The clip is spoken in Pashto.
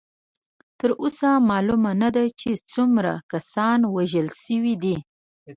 تر اوسه معلومه نه ده چې څومره کسان وژل شوي دي.